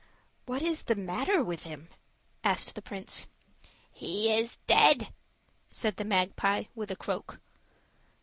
"What is the matter with him?" asked the Prince. "He is dead," said the Magpie, with a croak.